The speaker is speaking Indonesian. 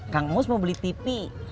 kang mus mau beli tv